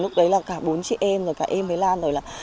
lúc đấy là cả bốn chị em rồi cả em với lan rồi là